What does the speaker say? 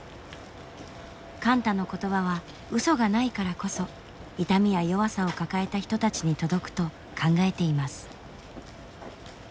貫多の言葉はうそがないからこそ痛みや弱さを抱えた人たちに届くと考えています。